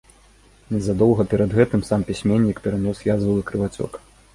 Незадоўга перад гэтым сам пісьменнік перанёс язвавы крывацёк.